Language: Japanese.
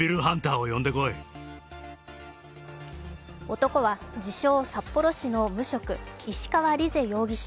男は自称・札幌市の無職石川莉世容疑者